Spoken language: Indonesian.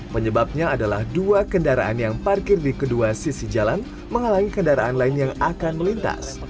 penyebabnya adalah dua kendaraan yang parkir di kedua sisi jalan menghalangi kendaraan lain yang akan melintas